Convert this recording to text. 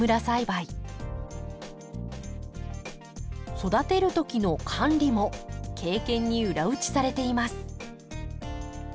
育てる時の管理も経験に裏打ちされています。